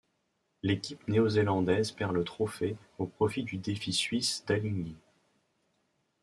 L'équipe néo-zélandaise perd le trophée au profit du défi suisse d'Alinghi.